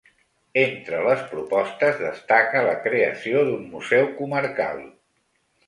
Entre les propostes destaca la creació d’un museu comarcal.